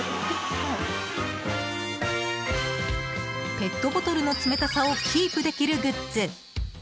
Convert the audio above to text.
ペットボトルの冷たさをキープできるグッズ。